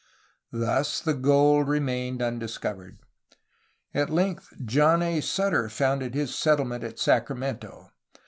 Thus the gold remained undiscovered. At length John A. Sutter founded his settlement at Sacramento.